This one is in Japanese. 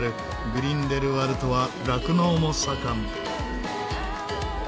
グリンデルワルトは酪農も盛ん。